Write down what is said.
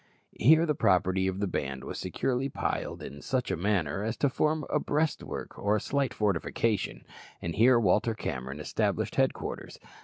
Here the property of the band was securely piled in such a manner as to form a breastwork or slight fortification, and here Walter Cameron established headquarters.